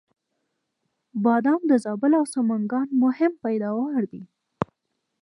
بادام د زابل او سمنګان مهم پیداوار دی